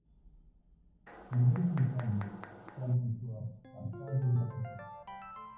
Nivel sin cambios, salvo en su apartado gráfico.